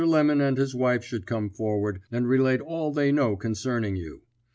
Lemon and his wife should come forward, and relate all that they know concerning you.